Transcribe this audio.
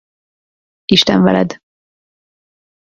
Isten veled.